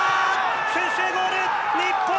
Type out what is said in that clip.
先制ゴール、日本！